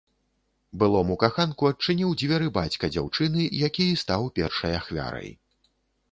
Былому каханку адчыніў дзверы бацька дзяўчыны, які і стаў першай ахвярай.